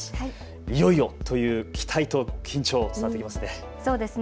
いよいよという期待と緊張伝わってきますね。